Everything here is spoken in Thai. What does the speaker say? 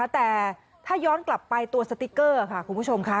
แต่ถ้าย้อนกลับไปตัวสติ๊กเกอร์ค่ะคุณผู้ชมค่ะ